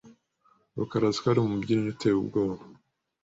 rukaraazi ko ari umubyinnyi uteye ubwoba.